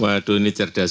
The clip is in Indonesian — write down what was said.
waduh ini cerdas